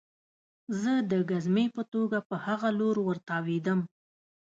زه د ګزمې په توګه په هغه لور ورتاوېدم